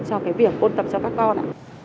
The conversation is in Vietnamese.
cho cái việc ôn tập cho các con ạ